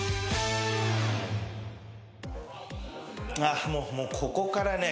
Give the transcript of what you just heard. あっもうもうここからね。